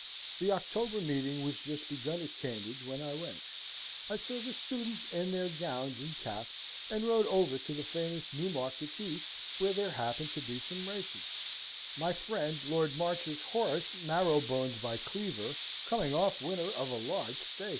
The October meeting was just begun at Cambridge when I went. I saw the students in their gownds and capps, and rode over to the famous Newmarket Heath, where there happened to be some races my friend Lord Marchs horse Marrowbones by Cleaver coming off winner of a large steak.